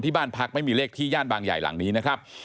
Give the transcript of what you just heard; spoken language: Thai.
บ้านพักไม่มีเลขที่ย่านบางใหญ่หลังนี้นะครับ